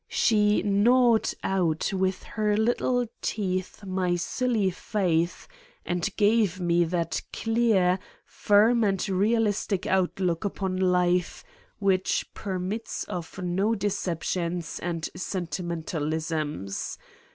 She gnawed out with her little teeth my silly faith and gave me that clear, firm and real istic outlook upon life which permits of no decep tions and ... sentimentalisms.